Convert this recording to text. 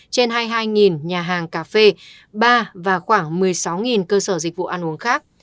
trên hai mươi hai nhà hàng cà phê ba và khoảng một mươi sáu cơ sở dịch vụ ăn uống khác